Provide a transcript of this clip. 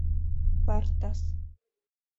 partas